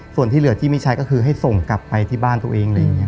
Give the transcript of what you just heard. ส่วนที่เหลือที่ไม่ใช่ก็คือให้ส่งกลับไปที่บ้านตัวเอง